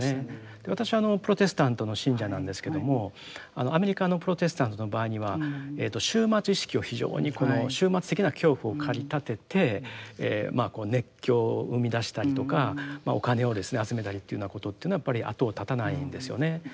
私はプロテスタントの信者なんですけどもアメリカのプロテスタントの場合には終末意識を非常にこの終末的な恐怖を駆り立てて熱狂を生み出したりとかお金を集めたりというようなことというのはやっぱり後を絶たないんですよね。